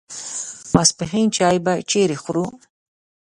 ماپښین چای به چیرې خورو.